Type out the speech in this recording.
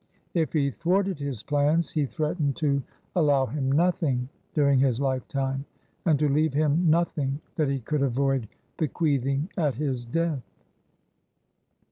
If he thwarted his plans, he threatened to allow him nothing during his lifetime, and to leave him nothing that he could avoid bequeathing at his death.